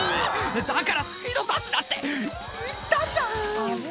「だからスピード出すなって言ったじゃん！」